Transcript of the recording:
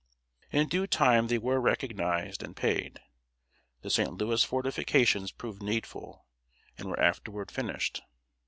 In due time they were recognized and paid. The St. Louis fortifications proved needful, and were afterward finished.